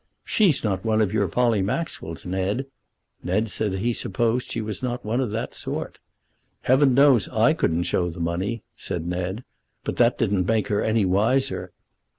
"She's not one of your Polly Maxwells, Ned." Ned said that he supposed she was not one of that sort. "Heaven knows I couldn't show the money," said Ned, "but that didn't make her any wiser."